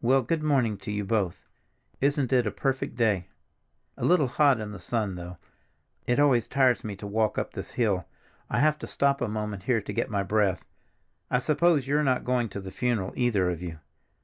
Well, good morning to you both. Isn't it a perfect day! A little hot in the sun though. It always tires me to walk up this hill; I have to stop a moment here to get my breath. I suppose you're not going to the funeral, either of you?